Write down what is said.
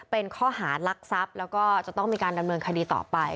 เป็นข้อหารักทรัพย์แล้วก็จะต้องมีการดำเนินคดีต่อไป